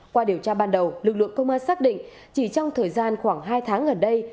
qua điều tra ban đầu lực lượng công an xác định chỉ trong thời gian khoảng hai tháng gần đây